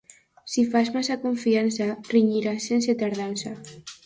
Si fas massa confiança, renyiràs sense tardança.